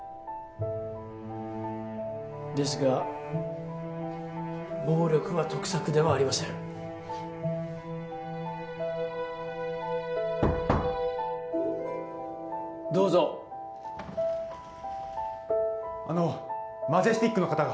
ですが暴力は得策ではありませんどうぞあのマジェスティックの方が